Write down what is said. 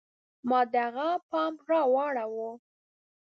ما د هغه پام را واړوه.